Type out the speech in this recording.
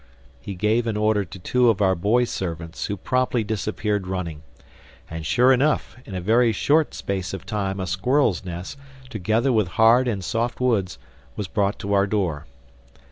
He gave an order to two of our boy servants who promptly disappeared running. And sure enough, in a very short space of time a squirrel's nest, together with hard and soft woods, was brought to our door.